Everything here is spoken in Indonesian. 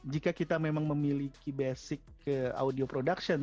jika kita memang memiliki basic audio production